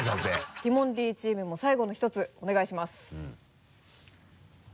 ティモンディチームも最後の１つお願いします。